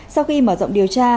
sau khi mở rộng điều tra